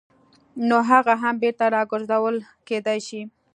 نو هغه هم بېرته راګرځول کېدای شي.